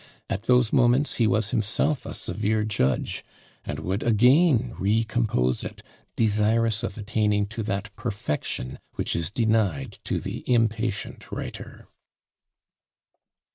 At those moments he was himself a severe judge, and would again re compose it, desirous of attaining to that perfection which is denied to the impatient writer."